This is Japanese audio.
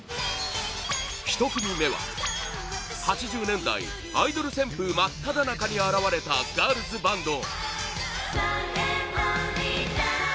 １組目は、８０年代アイドル旋風真っただ中に現れたガールズバンド！